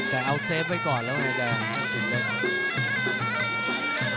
แต่เอาเซฟไว้ก่อนแล้วไอ้แดงสุดยอด